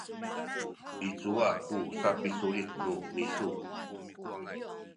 i cuwa ku sapisulit nu misu?